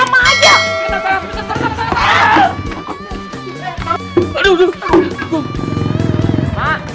jangan duduk sabit disini ma